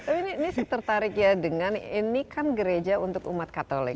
tapi ini saya tertarik ya dengan ini kan gereja untuk umat katolik